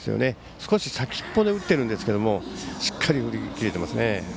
少し先っぽで打ってるんですけどもしっかり振り切れてますね。